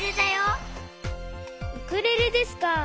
ウクレレですか。